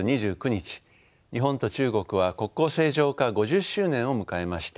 日本と中国は国交正常化５０周年を迎えました。